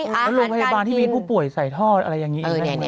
อาหารการกินเออแล้วลงพยาบาลที่มีผู้ป่วยใส่ทอดอะไรอย่างนี้ได้ไหม